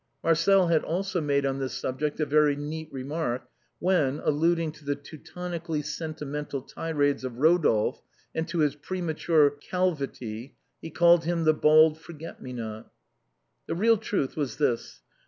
Marcel had also made on this subject a very neat remark when, alluding to 166 THE BOHEMIANS OF THE LATIN QUARTER. the Teutonically sentimental tirades of Rodolphe and to his premature cnlvity, he called him the bald forget me not. The real truth was this.